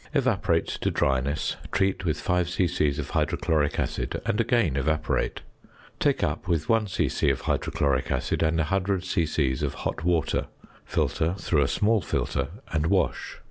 Evaporate to dryness, treat with 5 c.c. of hydrochloric acid, and again evaporate; take up with 1 c.c. of hydrochloric acid and 100 c.c. of hot water, filter through a small filter, and wash.